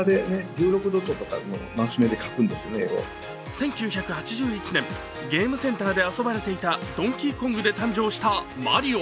１９８１年、ゲームセンターで遊ばれていた「ドンキーコング」で誕生したマリオ。